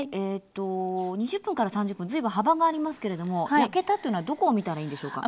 ２０分から３０分随分幅がありますけれども焼けたというのはどこを見たらいいんでしょうか？